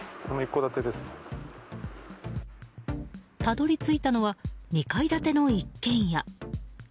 たどり着いたのは２階建ての一軒家。